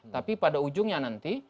tapi pada ujungnya nanti